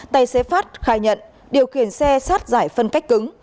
tài xế phát khai nhận điều khiển xe sát giải phân cách cứng